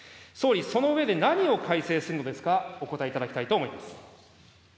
総理、その上で何を改正するのですか、お答えいただきたいと思います。